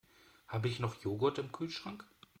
Habe ich noch Joghurt im Kühlschrank?